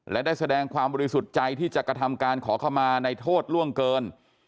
และได้แสดงความบริสุทธิ์ใจที่จะกระทำการขอเข้ามาในโทษล่วงเกิน